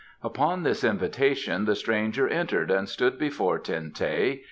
Upon this invitation the stranger entered and stood before Ten teh.